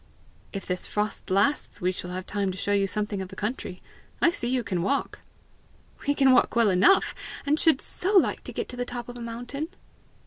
"If this frost last, we shall have time to show you something of the country. I see you can walk!" "We can walk well enough, and should so like to get to the top of a mountain!"